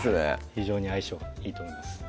非常に相性がいいと思います